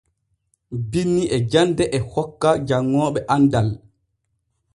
Binni e jande e hokka janŋooɓe andal.